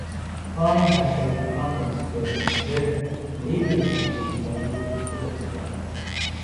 Corning had paid Condon's clearance-related legal expenses while he worked there.